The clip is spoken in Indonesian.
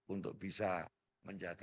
untuk bisa menjaga